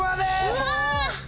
うわ！